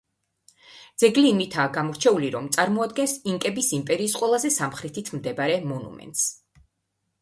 ძეგლი იმითაა გამორჩეული, რომ წარმოადგენს ინკების იმპერიის ყველაზე სამხრეთით მდებარე მონუმენტს.